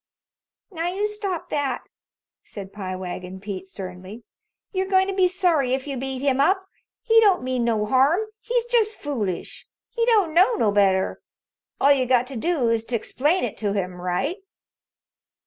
"Now, you stop that," said Pie Wagon Pete sternly. "You're goin' to be sorry if you beat him up. He don't mean no harm. He's just foolish. He don't know no better. All you got to do is to explain it to him right."